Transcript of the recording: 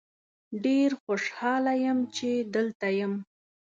ډیر خوشحال یم چې دلته یم.